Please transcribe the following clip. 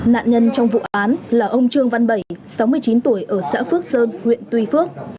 nạn nhân trong vụ án là ông trương văn bảy sáu mươi chín tuổi ở xã phước sơn huyện tuy phước